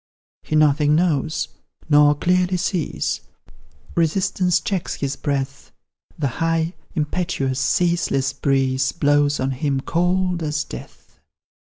He nothing knows nor clearly sees, Resistance checks his breath, The high, impetuous, ceaseless breeze Blows on him cold as death.